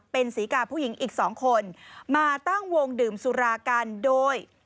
เป็นศรีกาผู้หญิงอีก๒คนมาตั้งวงดื่มสุรากันโดย